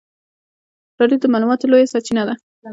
رادیو د معلوماتو لویه سرچینه ده.